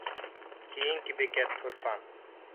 كېيىنكى بېكەت تۇرپان.